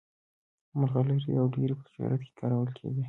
مرغلرې او ډبرې په تجارت کې کارول کېدې.